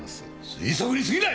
推測に過ぎない！！